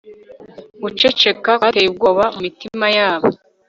guceceka eerie kwateye ubwoba mumitima yabo